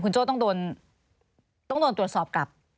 โจ้ต้องโดนตรวจสอบกลับ